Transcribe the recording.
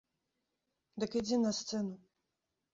Дык ідзі на сцэну!